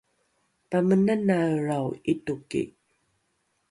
pamenanaelrao ’itoki